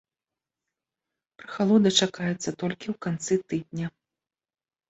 Прахалода чакаецца толькі ў канцы тыдня.